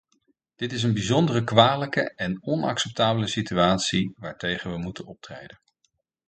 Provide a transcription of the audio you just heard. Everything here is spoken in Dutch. Dit is een bijzonder kwalijke en onacceptabele situatie waartegen we moeten optreden.